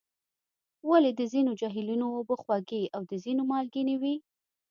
ولې د ځینو جهیلونو اوبه خوږې او د ځینو مالګینې وي؟